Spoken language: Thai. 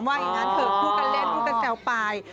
ว่างานเกิดคู่กันเล่นคู่กันแซวปลาย